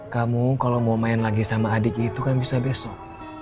kamu kalau mau main lagi sama adik itu kan bisa besok